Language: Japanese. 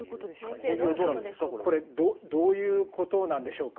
先生どういうことでしょうか？